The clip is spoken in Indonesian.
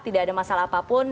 tidak ada masalah apapun